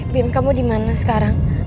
bim kamu dimana sekarang